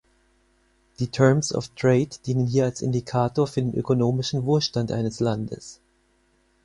Die Terms of Trade dienen hier als Indikator für den ökonomischen Wohlstand eines Landes.